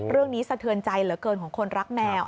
เรื่องนี้สะเทือนใจเหลือเกินของคนรักแมว